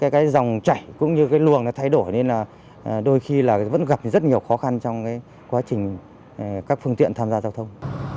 cái dòng chảy cũng như cái luồng nó thay đổi nên là đôi khi là vẫn gặp rất nhiều khó khăn trong cái quá trình các phương tiện tham gia giao thông